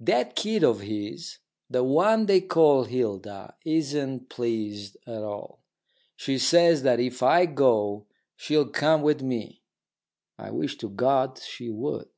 That kid of his, the one they call Hilda, isn't pleased at all. She says that if I go she'll come with me. I wish to God she would.